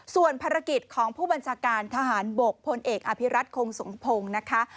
ส่วนภารกิจของผู้บัญชาการทหารบกพลเอกอภิรัตคงสมพงศ์นะคะ